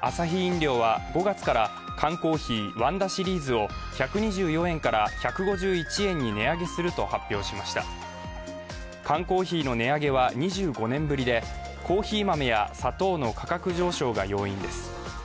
アサヒ飲料は５月から缶コーヒーＷＯＮＤＡシリーズを１２４円から１５１円に値上げすると発表しました缶コーヒーの値上げは２５年ぶりで、コーヒー豆や砂糖の価格上昇が要因です。